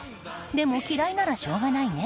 でも、嫌いならしょうがないね。